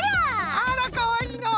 あらかわいいのう。